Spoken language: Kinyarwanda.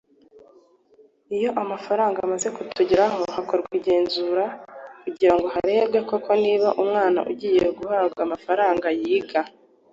Iyo amafaranga amaze kutugeraho hakorwa igenzura kugirango harebwe koko niba umwana ugiye guhabwa amafaranga yiga